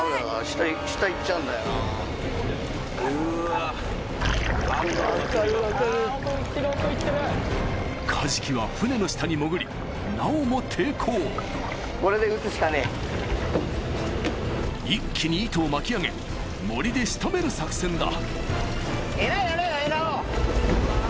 あぁ奥いってる奥いってる・カジキは船の下に潜りなおも抵抗一気に糸を巻き上げモリで仕留める作戦だ